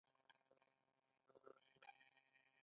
ایران هڅه کوي چې خپل اقتصاد متنوع کړي.